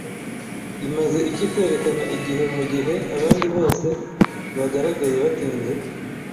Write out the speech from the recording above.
Bimaze iki kwerekana igihe mugihe abandi bose bagaragaye batinze?